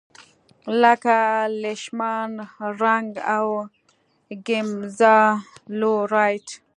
لکه لیشمان رنګ او ګیمزا لو رایټ.